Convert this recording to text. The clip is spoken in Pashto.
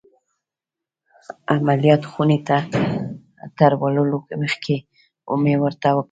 عمليات خونې ته تر وړلو مخکې مې ورته وکتل.